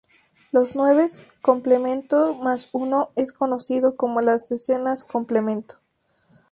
Los nueves 'complemento más uno es conocido como las decenas complemento.